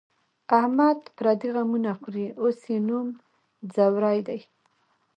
احمد پردي غمونه خوري، اوس یې نوم ځوری دی.